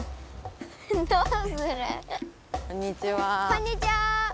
こんにちは！